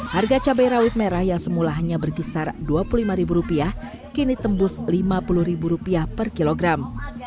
harga cabai rawit merah yang semula hanya berkisar rp dua puluh lima kini tembus rp lima puluh per kilogram